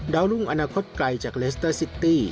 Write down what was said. รุ่งอนาคตไกลจากเลสเตอร์ซิตี้